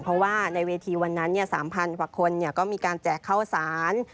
เพราะว่าในเวทีวันนั้น๓๐๐กว่าคนก็มีการแจกข้าวสาร